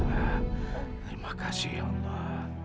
terima kasih ya allah